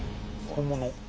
本物！